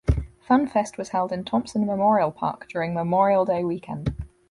Funfest was held in Thompson Memorial Park during Memorial Day weekend.